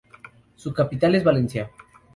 Su capital es Valencia.